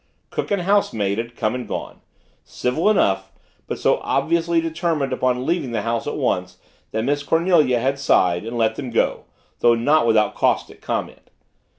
Cook and housemaid had come and gone civil enough, but so obviously determined upon leaving the house at once that Miss Cornelia had sighed and let them go, though not without caustic comment.